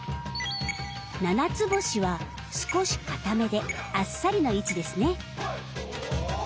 ななつぼしは少しかためであっさりの位置ですね。